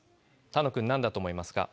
楽くん何だと思いますか？